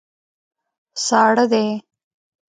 ساړه دي.